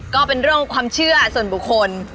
ก็เป็นเรื่องความเชื่อส่วนบุคคล